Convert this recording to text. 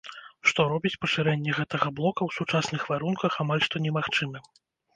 Што робіць пашырэнне гэтага блока ў сучасных варунках амаль што немагчымым.